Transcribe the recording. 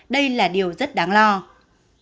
đây là điều rất đáng lạc